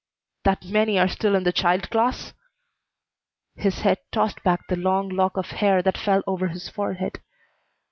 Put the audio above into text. "That many are still in the child class?" His head tossed back the long lock of hair that fell over his forehead.